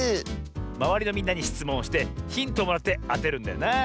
まわりのみんなにしつもんをしてヒントをもらってあてるんだよな。